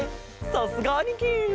さすがあにき。